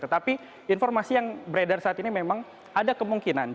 tetapi informasi yang beredar saat ini memang ada kemungkinan